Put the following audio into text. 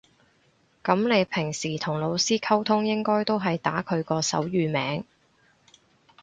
噉你平時同老師溝通應該都係打佢個手語名